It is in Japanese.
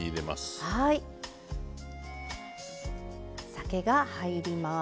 酒が入ります。